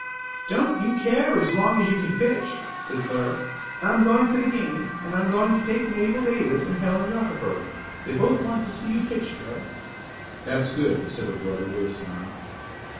"Don't you care, as long as you can pitch," said Clara. "I'm going to the game and I'm going to take Mabel Davis and Helen Rutherford. They both want to see you pitch, Joe." "That's good," said her brother with a smile.